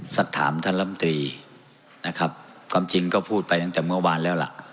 สักถามท่านลำตรีนะครับความจริงก็พูดไปตั้งแต่เมื่อวานแล้วล่ะ